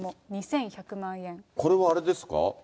これはあれですか？